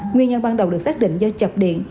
nguyên nhân ban đầu được xác định do chập điện